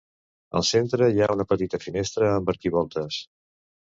Al centre hi ha una petita finestra amb arquivoltes.